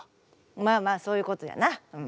まあまあそういうことやな。